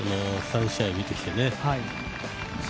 ３試合見ててね。